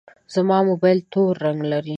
زما موبایل تور رنګ لري.